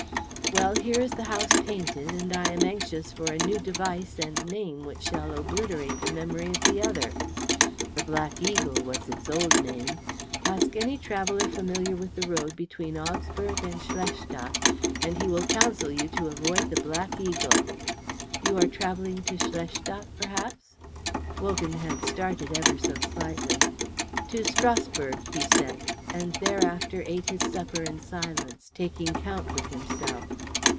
Well, here is the house painted, and I am anxious for a new device and name which shall obliterate the memory of the other. 'The Black Eagle' is its old name. Ask any traveller familiar with the road between Augsburg and Schlestadt, and he will counsel you to avoid 'The Black Eagle.' You are travelling to Schlestadt, perhaps." Wogan had started ever so slightly. "To Strasbourg," he said, and thereafter ate his supper in silence, taking count with himself.